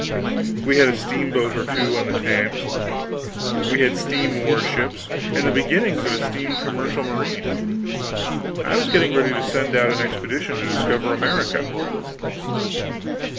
We had a steamboat or two on the Thames, we had steam warships, and the beginnings of a steam commercial marine; I was getting ready to send out an expedition to discover America.